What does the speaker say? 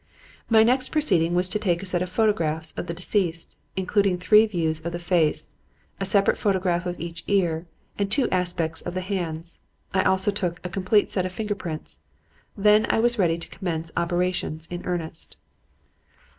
"My next proceeding was to take a set of photographs of the deceased, including three views of the face, a separate photograph of each ear, and two aspects of the hands. I also took a complete set of finger prints. Then I was ready to commence operations in earnest."